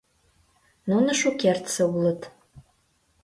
Нуно шукертсе улыт.